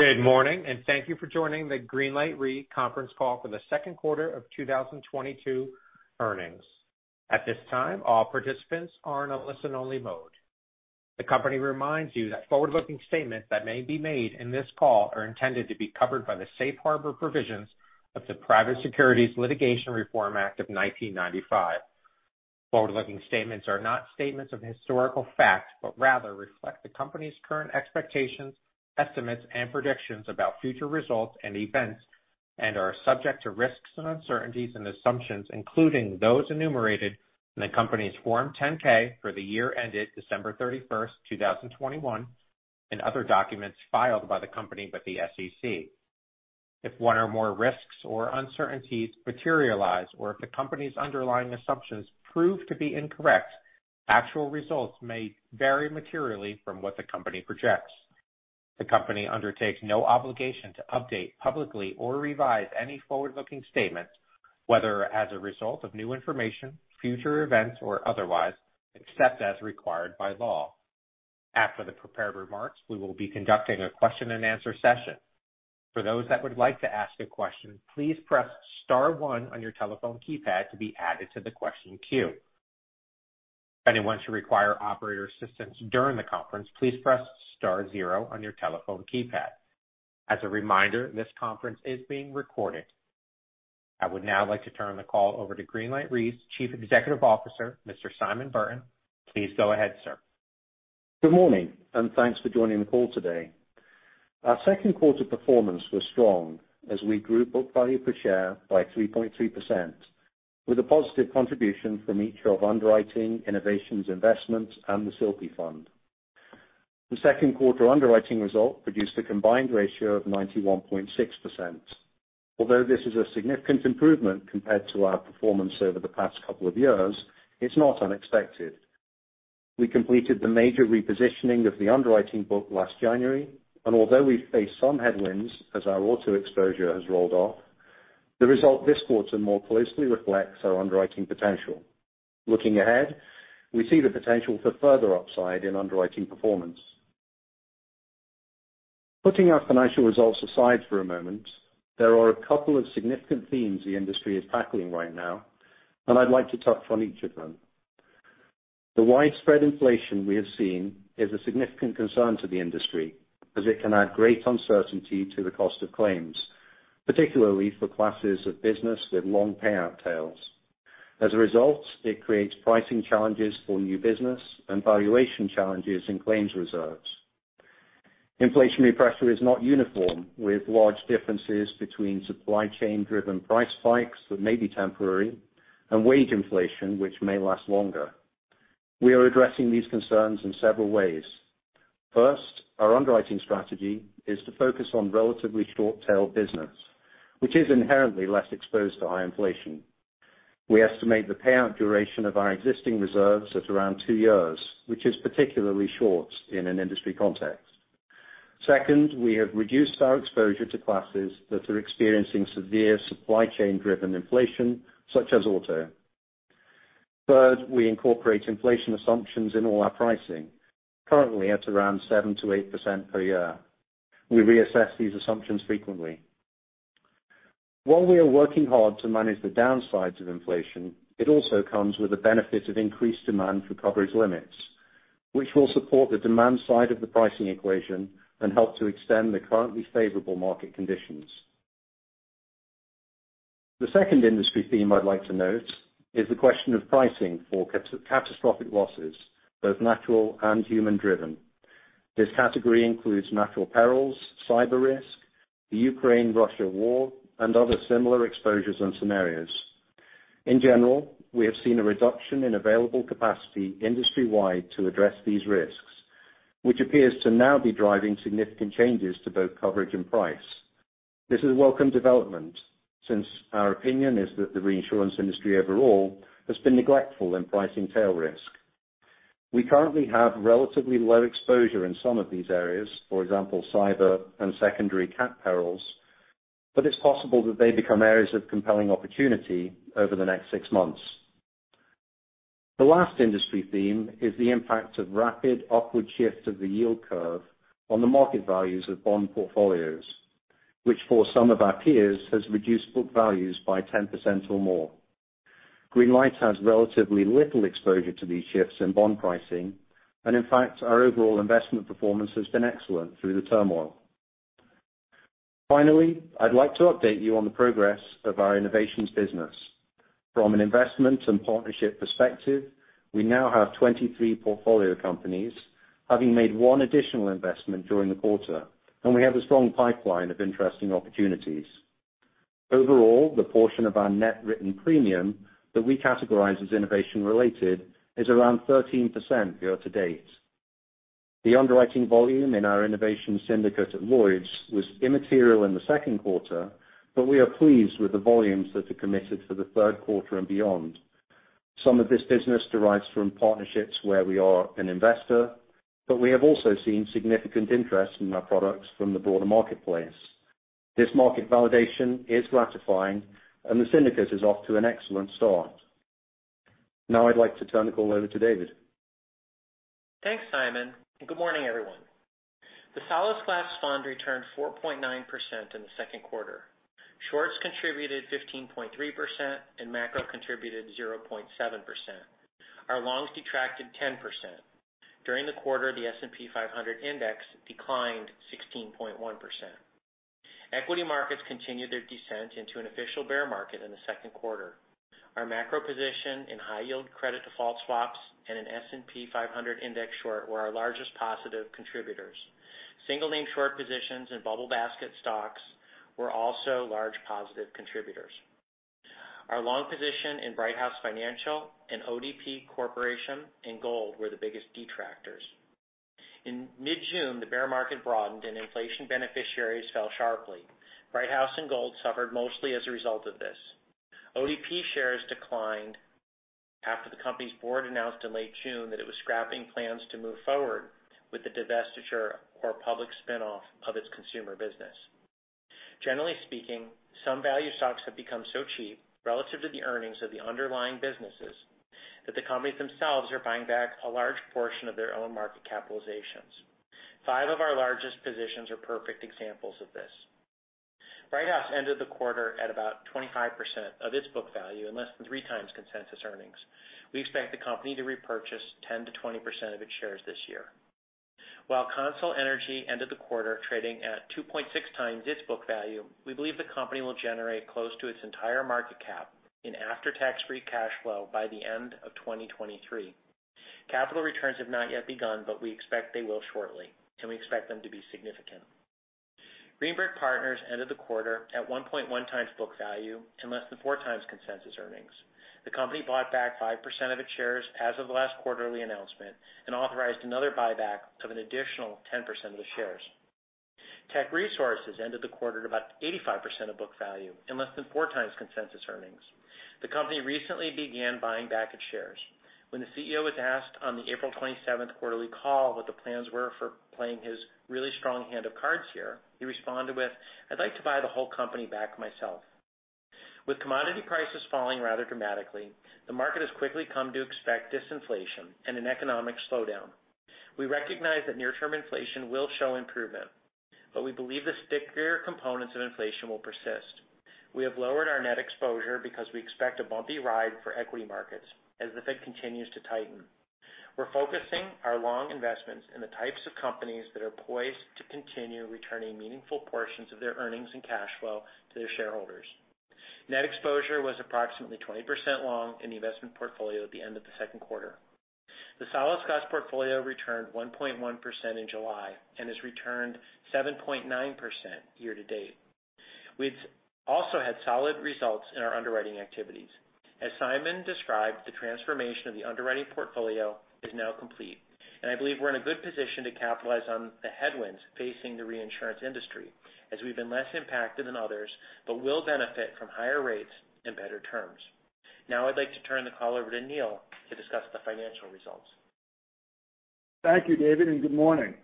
Good morning, and thank you for joining the Greenlight Re conference call for the second quarter of 2022 earnings. At this time, all participants are in a listen-only mode. The company reminds you that forward-looking statements that may be made in this call are intended to be covered by the safe harbor provisions of the Private Securities Litigation Reform Act of 1995. Forward-looking statements are not statements of historical facts, but rather reflect the company's current expectations, estimates, and predictions about future results and events, and are subject to risks and uncertainties and assumptions, including those enumerated in the company's Form 10-K for the year ended December 31st, 2021, and other documents filed by the company with the SEC. If one or more risks or uncertainties materialize, or if the company's underlying assumptions prove to be incorrect, actual results may vary materially from what the company projects. The company undertakes no obligation to update publicly or revise any forward-looking statements, whether as a result of new information, future events, or otherwise, except as required by law. After the prepared remarks, we will be conducting a question-and-answer session. For those that would like to ask a question, please press star one on your telephone keypad to be added to the question queue. If anyone should require operator assistance during the conference, please press star zero on your telephone keypad. As a reminder, this conference is being recorded. I would now like to turn the call over to Greenlight Re's Chief Executive Officer, Mr. Simon Burton. Please go ahead, sir. Good morning, and thanks for joining the call today. Our second quarter performance was strong as we grew book value per share by 3.3% with a positive contribution from each of underwriting, innovations, investments, and the Solasglas fund. The second quarter underwriting result produced a combined ratio of 91.6%. Although this is a significant improvement compared to our performance over the past couple of years, it's not unexpected. We completed the major repositioning of the underwriting book last January, and although we faced some headwinds as our auto exposure has rolled off, the result this quarter more closely reflects our underwriting potential. Looking ahead, we see the potential for further upside in underwriting performance. Putting our financial results aside for a moment, there are a couple of significant themes the industry is tackling right now, and I'd like to touch on each of them. The widespread inflation we have seen is a significant concern to the industry as it can add great uncertainty to the cost of claims, particularly for classes of business with long payout tails. As a result, it creates pricing challenges for new business and valuation challenges in claims reserves. Inflationary pressure is not uniform, with large differences between supply chain driven price spikes that may be temporary and wage inflation which may last longer. We are addressing these concerns in several ways. First, our underwriting strategy is to focus on relatively short tail business, which is inherently less exposed to high inflation. We estimate the payout duration of our existing reserves at around two years, which is particularly short in an industry context. Second, we have reduced our exposure to classes that are experiencing severe supply chain driven inflation, such as auto. Third, we incorporate inflation assumptions in all our pricing, currently at around 7%-8% per year. We reassess these assumptions frequently. While we are working hard to manage the downsides of inflation, it also comes with the benefit of increased demand for coverage limits, which will support the demand side of the pricing equation and help to extend the currently favorable market conditions. The second industry theme I'd like to note is the question of pricing for catastrophe-catastrophic losses, both natural and human-driven. This category includes natural perils, cyber risk, the Ukraine-Russia war, and other similar exposures and scenarios. In general, we have seen a reduction in available capacity industry-wide to address these risks, which appears to now be driving significant changes to both coverage and price. This is a welcome development, since our opinion is that the reinsurance industry overall has been neglectful in pricing tail risk. We currently have relatively low exposure in some of these areas, for example, cyber and secondary catastrophe perils, but it's possible that they become areas of compelling opportunity over the next six months. The last industry theme is the impact of rapid upward shifts of the yield curve on the market values of bond portfolios, which for some of our peers has reduced book values by 10% or more. Greenlight has relatively little exposure to these shifts in bond pricing, and in fact, our overall investment performance has been excellent through the turmoil. Finally, I'd like to update you on the progress of our innovations business. From an investment and partnership perspective, we now have 23 portfolio companies having made one additional investment during the quarter, and we have a strong pipeline of interesting opportunities. Overall, the portion of our Net Written Premium that we categorize as innovation related is around 13% year-to-date. The underwriting volume in our innovation syndicate at Lloyd's was immaterial in the second quarter, but we are pleased with the volumes that are committed for the third quarter and beyond. Some of this business derives from partnerships where we are an investor, but we have also seen significant interest in our products from the broader marketplace. This market validation is gratifying and the syndicates is off to an excellent start. Now I'd like to turn the call over to David. Thanks, Simon, and good morning, everyone. The Solasglas Fund returned 4.9% in the second quarter. Shorts contributed 15.3% and macro contributed 0.7%. Our longs detracted 10%. During the quarter, the S&P 500 index declined 16.1%. Equity markets continued their descent into an official bear market in the second quarter. Our macro position in high yield credit default swaps and an S&P 500 index short were our largest positive contributors. Single name short positions and bubble basket stocks were also large positive contributors. Our long position in Brighthouse Financial and ODP Corporation and Gold were the biggest detractors. In mid-June, the bear market broadened and inflation beneficiaries fell sharply. Brighthouse and Gold suffered mostly as a result of this. ODP shares declined after the company's board announced in late June that it was scrapping plans to move forward with the divestiture or public spin-off of its consumer business. Generally speaking, some value stocks have become so cheap relative to the earnings of the underlying businesses that the companies themselves are buying back a large portion of their own market capitalizations. Five of our largest positions are perfect examples of this. Brighthouse ended the quarter at about 25% of its book value in less than 3x consensus earnings. We expect the company to repurchase 10%-20% of its shares this year. While CONSOL Energy ended the quarter trading at 2.6x its book value, we believe the company will generate close to its entire market cap in after-tax free cash flow by the end of 2023. Capital returns have not yet begun, but we expect they will shortly, and we expect them to be significant. Green Brick Partners ended the quarter at 1.1x book value and less than 4x consensus earnings. The company bought back 5% of its shares as of the last quarterly announcement and authorized another buyback of an additional 10% of the shares. Teck Resources ended the quarter at about 85% of book value and less than 4x consensus earnings. The company recently began buying back its shares. When the CEO was asked on the April 27th quarterly call what the plans were for playing his really strong hand of cards here, he responded with, "I'd like to buy the whole company back myself." With commodity prices falling rather dramatically, the market has quickly come to expect disinflation and an economic slowdown. We recognize that near-term inflation will show improvement, but we believe the stickier components of inflation will persist. We have lowered our net exposure because we expect a bumpy ride for equity markets as the Fed continues to tighten. We're focusing our long investments in the types of companies that are poised to continue returning meaningful portions of their earnings and cash flow to their shareholders. Net exposure was approximately 20% long in the investment portfolio at the end of the second quarter. The Solasglas portfolio returned 1.1% in July and has returned 7.9% year to date. We've also had solid results in our underwriting activities. As Simon described, the transformation of the underwriting portfolio is now complete, and I believe we're in a good position to capitalize on the headwinds facing the reinsurance industry as we've been less impacted than others, but will benefit from higher rates and better terms. Now I'd like to turn the call over to Neil to discuss the financial results. Thank you, David, and good morning.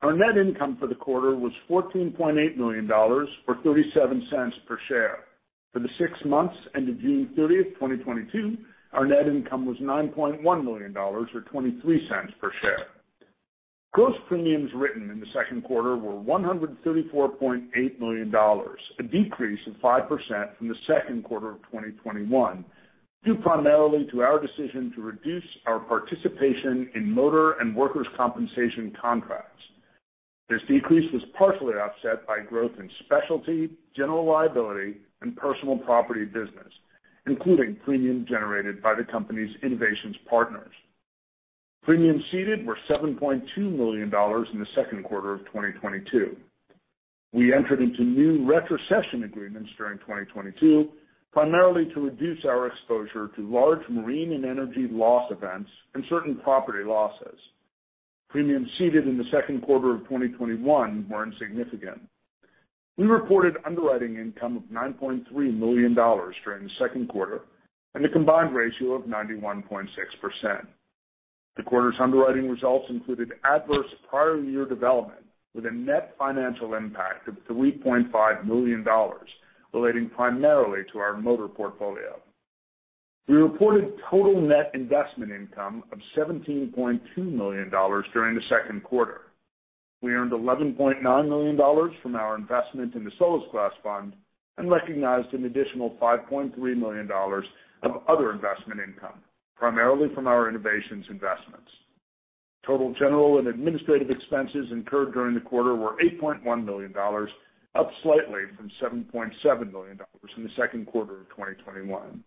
Our net income for the quarter was $14.8 million or $0.37 per share. For the six months ended June 30th, 2022, our net income was $9.1 million or $0.23 per share. Gross premiums written in the second quarter were $134.8 million, a decrease of 5% from the second quarter of 2021, due primarily to our decision to reduce our participation in motor and workers' compensation contracts. This decrease was partially offset by growth in specialty, general liability, and personal property business, including premium generated by the company's innovations partners. Premiums ceded were $7.2 million in the second quarter of 2022. We entered into new retrocession agreements during 2022, primarily to reduce our exposure to large marine and energy loss events and certain property losses. Premiums ceded in the second quarter of 2021 were insignificant. We reported underwriting income of $9.3 million during the second quarter and a combined ratio of 91.6%. The quarter's underwriting results included adverse prior year development with a net financial impact of $3.5 million relating primarily to our motor portfolio. We reported total net investment income of $17.2 million during the second quarter. We earned $11.9 million from our investment in the Solasglas Fund and recognized an additional $5.3 million of other investment income, primarily from our innovations investments. Total general and administrative expenses incurred during the quarter were $8.1 million, up slightly from $7.7 million in the second quarter of 2021.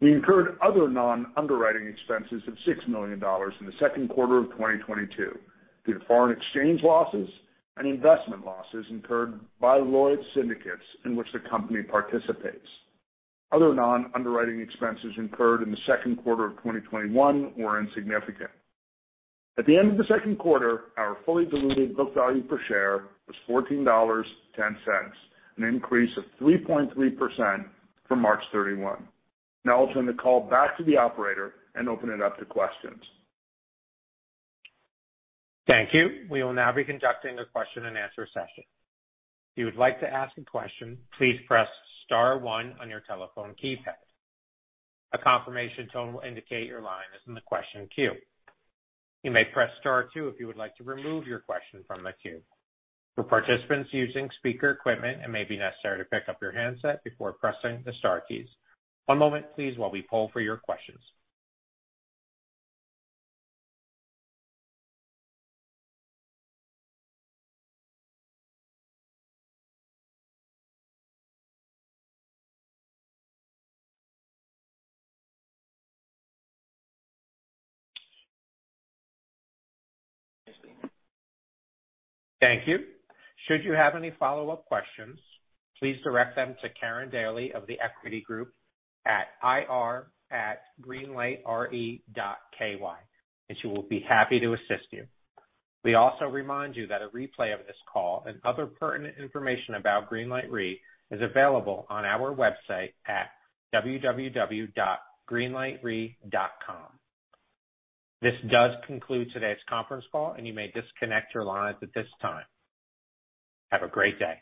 We incurred other non-underwriting expenses of $6 million in the second quarter of 2022 due to foreign exchange losses and investment losses incurred by Lloyd's syndicates in which the company participates. Other non-underwriting expenses incurred in the second quarter of 2021 were insignificant. At the end of the second quarter, our fully diluted book value per share was $14.10, an increase of 3.3% from March 31st. Now I'll turn the call back to the operator and open it up to questions. Thank you. We will now be conducting a question and answer session. If you would like to ask a question, please press star one on your telephone keypad. A confirmation tone will indicate your line is in the question queue. You may press star two if you would like to remove your question from the queue. For participants using speaker equipment, it may be necessary to pick up your handset before pressing the star keys. One moment, please, while we poll for your questions. Thank you. Should you have any follow-up questions, please direct them to Karin Daly of The Equity Group at ir@greenlightre.ky, and she will be happy to assist you. We also remind you that a replay of this call and other pertinent information about Greenlight Re is available on our website at www.greenlightre.com. This does conclude today's conference call, and you may disconnect your lines at this time. Have a great day.